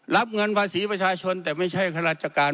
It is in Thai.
รับเงินภาษีประชาชนแต่ไม่ใช่ข้าราชการ